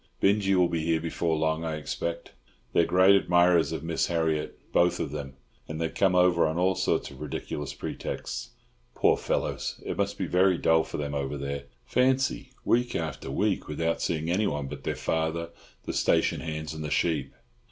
Binjie will be here before long, I expect. They're great admirers of Miss Harriott, both of them, and they come over on all sorts of ridiculous pretexts. Poor fellows, it must be very dull for them over there. Fancy, week after week without seeing anyone but their father, the station hands, and the sheep!